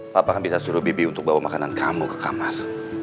papa kan bisa suruh bibi untuk bawa makanan kamu ke kamar